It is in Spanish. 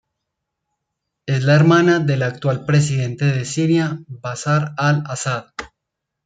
Es la hermana del actual presidente de Siria Bashar al-Ásad.